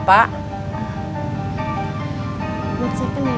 apa yang terjadi nenek